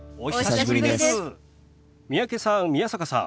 三宅さん宮坂さん